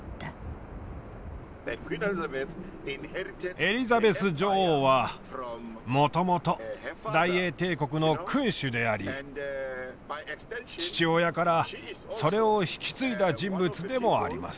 エリザベス女王はもともと大英帝国の君主であり父親からそれを引き継いだ人物でもあります。